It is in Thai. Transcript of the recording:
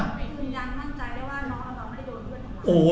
มีร้านมั่นใจว่าลองเอาลองให้โดนเพื่อนของเขา